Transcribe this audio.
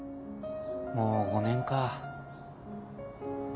もう５年か。